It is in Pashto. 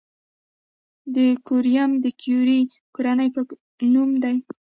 د کوریوم د کیوري کورنۍ په نوم دی.